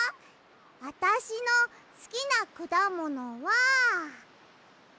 あたしのすきなくだものはもも！